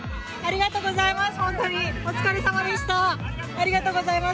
ありがとうございます。